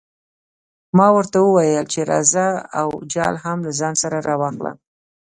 ما ورته وویل چې راځه او جال هم له ځان سره راواخله.